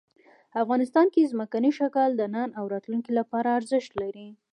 افغانستان کې ځمکنی شکل د نن او راتلونکي لپاره ارزښت لري.